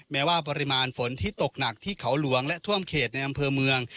แม้ว่าปริมาณฝนที่ตกหนักที่เขาหลวงและท่วมเขตในอำเภอเมือง